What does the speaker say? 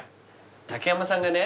竹山さんがね